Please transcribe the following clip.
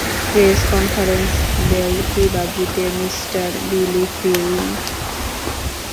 Press কনফারেন্সের ভেল্কিবাজিতে mister Billy Flynn.